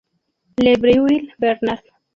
Le Breuil-Bernard